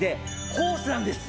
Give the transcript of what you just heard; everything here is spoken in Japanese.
ホースなんです！